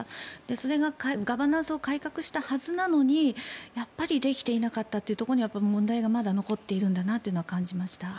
それがガバナンスを改革したはずなのにできていなかったというところに問題がまだ残っているんだと感じました。